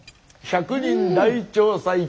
「１００人大調査！